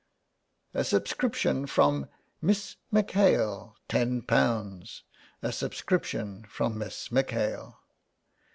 " A subscription from Miss M'Hale — ;^io. A subscription from Miss M'Hale."